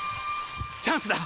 チャンスだ。